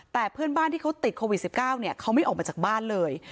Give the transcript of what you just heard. แต่เพื่อนบ้านที่เขาติดโควิด๑๙เขาไม่ออกมาจากบ้านเลย